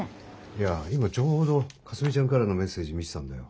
いや今ちょうどかすみちゃんからのメッセージ見てたんだよ。